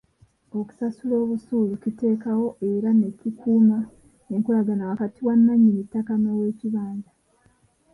Okusasula obusuulu kiteekawo era ne kikuuma enkolagana wakati wa nnannyini ttaka n'ow'ekibanja.